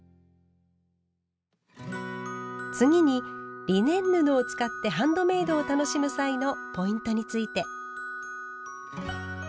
次にリネン布を使ってハンドメイドを楽しむ際のポイントについて。